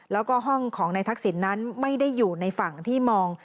แล้วก็ห้องของนายทักษิณนั้นไม่ได้อยู่ในฝั่งที่มอง